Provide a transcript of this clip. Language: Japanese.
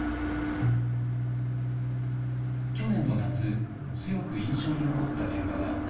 去年の夏強く印象に残った現場があった。